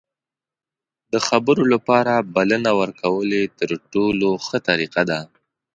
د خبرو لپاره بلنه ورکول یې تر ټولو ښه طریقه ده.